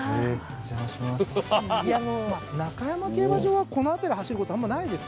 中山競馬場はこの辺り走ることあんまないですからね。